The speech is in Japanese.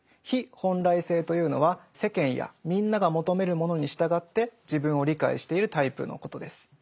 「非本来性」というのは世間やみんなが求めるものに従って自分を理解しているタイプのことです。